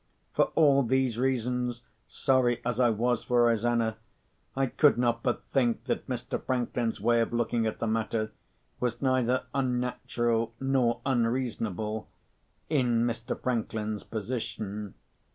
For all these reasons (sorry as I was for Rosanna) I could not but think that Mr. Franklin's way of looking at the matter was neither unnatural nor unreasonable, in Mr. Franklin's position.